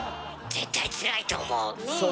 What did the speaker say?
絶対つらいと思う！